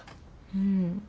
うん。